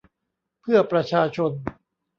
เพื่อประชาชน